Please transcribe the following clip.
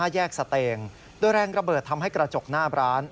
แยกสเตงโดยแรงระเบิดทำให้กระจกหน้าร้าน